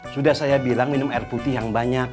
sudah saya bilang minum air putih yang banyak